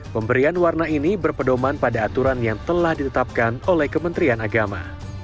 pemberian warna ini berpedoman pada aturan yang telah ditetapkan oleh kementerian agama